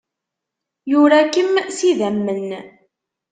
Yura-kem s yidammen.